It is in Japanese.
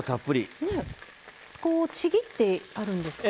これは、ちぎってあるんですか？